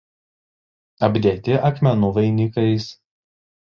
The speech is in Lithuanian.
Apdėti akmenų vainikais.